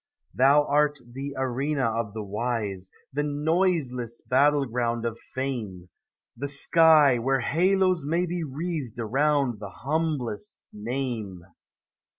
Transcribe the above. Thou art the arena of the wise, The noiseless battle ground of fame; The sky where halos may be wreathed Around the humblest name.